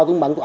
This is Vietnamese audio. con bận tổ ế